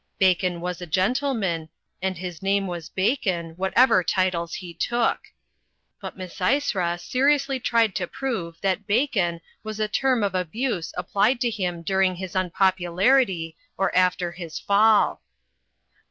Bacon was a gentleman, and his name was Bacon ; whatever titles he took. But Misysra seriously tried to prove that ''Bacon" was a term of abuse applied to him during^ his unpopularity or after his fall.